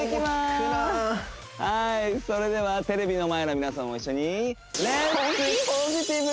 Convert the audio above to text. はいそれではテレビの前の皆さんも一緒にポジティブ！